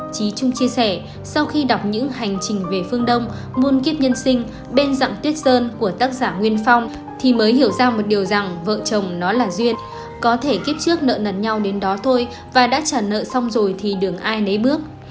trí trung chia sẻ sau khi đọc những hành trình về phương đông môn kiếp nhân sinh bên dạng tuyết sơn của tác giả nguyên phong thì mới hiểu ra một điều rằng vợ chồng nó là duyên có thể kiếp trước nợ nần nhau đến đó thôi và đã trả nợ xong rồi thì đường ai nấy bước